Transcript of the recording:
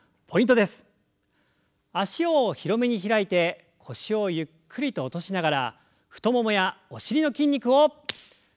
脚を広めに開いて腰をゆっくりと落としながら太ももやお尻の筋肉を刺激していきましょう。